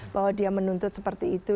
bahwa dia menuntut seperti itu